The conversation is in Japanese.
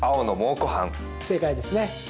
正解ですね。